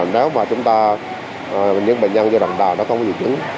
nếu mà chúng ta những bệnh nhân do đoạn đào đó không có triệu chứng